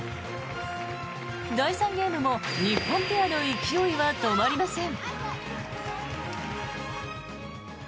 第３ゲームも日本ペアの勢いは止まりません。